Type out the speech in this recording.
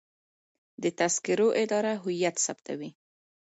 د تذکرو اداره هویت ثبتوي